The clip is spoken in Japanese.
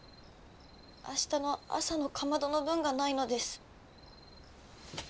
明日の朝のかまどの分がないのです。